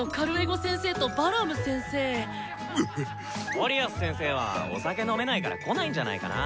オリアス先生はお酒飲めないから来ないんじゃないかな。